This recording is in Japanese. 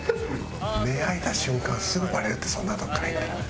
目開いた瞬間すぐバレるってそんなとこから行ったら。